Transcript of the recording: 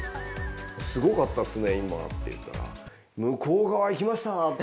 すごかったですね、今って言ったら、向こう側へ行きました！って。